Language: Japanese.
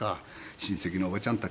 親戚のおばちゃんたちもね